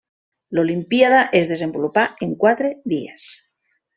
L'olimpíada es desenvolupa en quatre dies.